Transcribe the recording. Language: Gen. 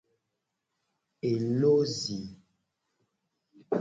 Elo zi.